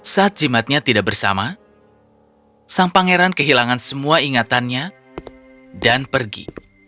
saat jimatnya tidak bersama sang pangeran kehilangan semua ingatannya dan pergi